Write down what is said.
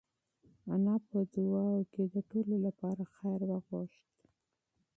انا په دعا کې د ټولو لپاره خیر وغوښت.